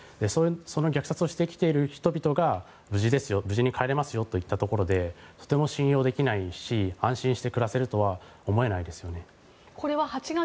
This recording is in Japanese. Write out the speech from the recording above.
その虐殺をしてきている人々が無事ですよ、無事に帰れますよと言ったところでとても信用できないし安心して暮らせるとは思えないですよね。